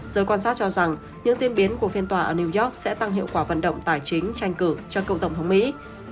giới quan sát cho rằng những diễn biến của phiên tòa ở new york sẽ tăng hiệu quả vận động tài chính tranh cử cho cựu tổng thống mỹ